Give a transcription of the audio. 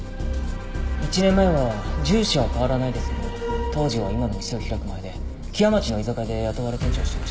１年前は住所は変わらないですけど当時は今の店を開く前で木屋町の居酒屋で雇われ店長をしてました。